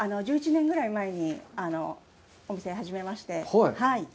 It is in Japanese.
１１年ぐらい前にお店を始めました。